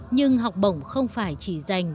nhưng học bổng không phải chỉ dành